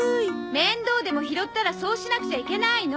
面倒でも拾ったらそうしなくちゃいけないの！